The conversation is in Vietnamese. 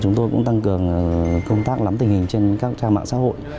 chúng tôi cũng tăng cường công tác lắm tình hình trên các trang mạng xã hội